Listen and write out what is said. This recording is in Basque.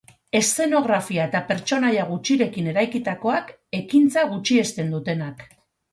Eszenografia eta pertsonaia gutxirekin eraikitakoak, ekintza gutxiesten dutenak.